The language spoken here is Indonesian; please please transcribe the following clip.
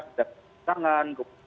tidak berpikir tangan